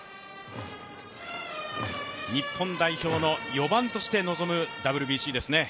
日本代表の４番として臨むＷＢＣですね。